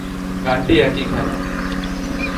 গানটি একই খেলা।